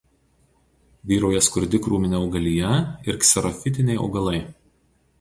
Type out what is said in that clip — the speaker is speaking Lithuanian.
Vyrauja skurdi krūminė augalija ir kserofitiniai augalai.